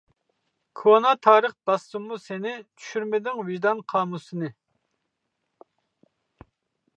كونا تارىخ باسسىمۇ سېنى، چۈشۈرمىدىڭ ۋىجدان قامۇسنى.